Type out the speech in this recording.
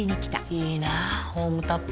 いいなホームタップ。